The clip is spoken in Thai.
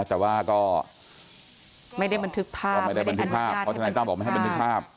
แต่ว่าก็ไม่ได้บันทึกภาพเพราะทนายตั้มบอกไม่ให้บันทึกภาพ